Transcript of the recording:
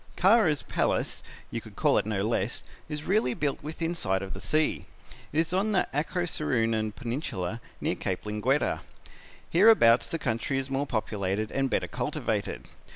"Kara's, palace, you could call it no less, is really built within sight of the sea. It is on the Acroceraunian Peninsula near Cape Linguetta. Hereabouts the country is more populated and better cultivated.